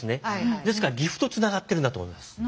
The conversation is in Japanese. ですから岐阜とつながっているんだと思います。